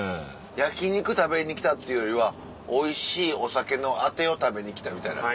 焼肉食べに来たっていうよりはおいしいお酒のあてを食べに来たみたいな。